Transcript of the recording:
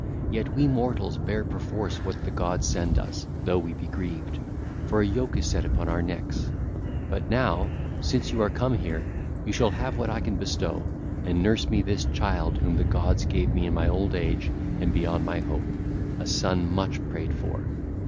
Yet we mortals bear perforce what the gods send us, though we be grieved; for a yoke is set upon our necks. But now, since you are come here, you shall have what I can bestow: and nurse me this child whom the gods gave me in my old age and beyond my hope, a son much prayed for.